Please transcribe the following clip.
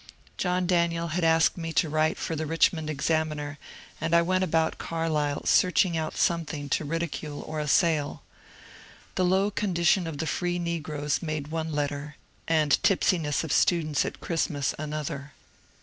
John Daniel had asked me to write for the '^ Richmond Examiner," and I went about Carlisle search ing out something to ridicule or assail. The low condition of the free negroes made one letter, and tipsiness of students at Christmas another.